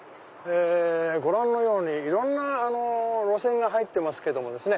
ご覧のようにいろんな路線が入ってますけどもですね